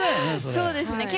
そうですね。